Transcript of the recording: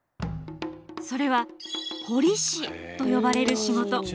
それは彫師と呼ばれる仕事。